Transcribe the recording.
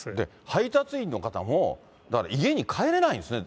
配達員の方も、だから家に帰れないんですね、